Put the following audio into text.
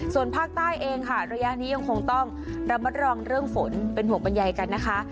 ส่วนภาคใต้เองค่ะระยะนี้ยังคงต้องระมัดระวังเรื่องฝนเป็นห่วงบรรยายกันนะคะ